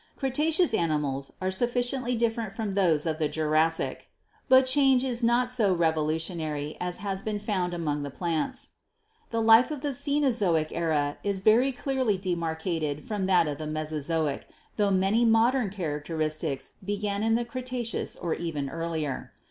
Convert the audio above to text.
Cretaceous animals are sufficiently different from those of the Jurassic, but the 228 GEOLOGY change is not so revolutionary as has been found among the plants. "The life of the Cenozoic era is very clearly demar cated from that of the Mesozoic, tho many modern char Fig. 39 — Ichthvornis, Cretaceous Period. (Marsh.) acteristics began in the Cretaceous or even earlier.